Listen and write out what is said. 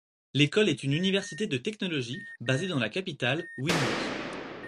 L'école est une université de technologie, basée dans la capitale, Windhoek.